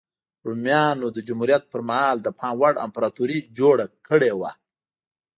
رومیانو د جمهوریت پرمهال د پام وړ امپراتوري جوړه کړې وه